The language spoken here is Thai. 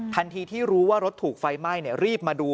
ที่รู้ว่ารถถูกไฟไหม้รีบมาดู